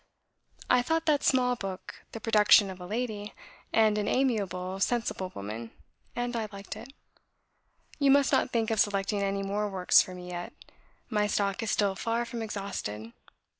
I thought that small book the production of a lady, and an amiable, sensible woman, and I liked it. You must not think of selecting any more works for me yet; my stock is still far from exhausted.